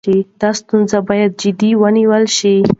دا ستونزه باید جدي ونیول شي.